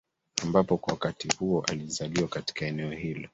Ambapo kwa wakati huo alizaliwa katika eneo hilo